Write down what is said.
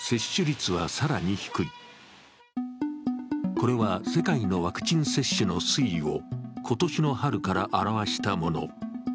これは世界のワクチン接種の推移を今年の春から表したもの。